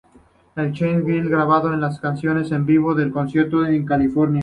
Las Cheetah Girls grabaron las canciones en vivo en un concierto en California.